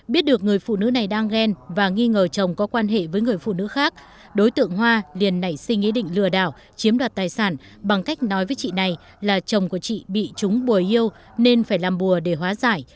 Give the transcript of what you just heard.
biết được người phụ nữ này đang ghen và nghi ngờ chồng có quan hệ với người phụ nữ khác đối tượng hoa liền nảy sinh ý định lừa đảo chiếm đoạt tài sản bằng cách nói với chị này là chồng của chị bị chúng bùi yêu nên phải làm bùa để hóa giải